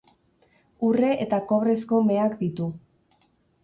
Urre eta kobrezko meak ditu.